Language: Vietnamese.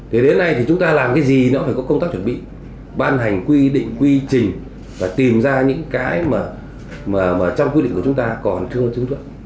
thì đến nay thì chúng ta làm cái gì nó phải có công tác chuẩn bị ban hành quy định quy trình và tìm ra những cái mà trong quy định của chúng ta còn chưa có chứng thuận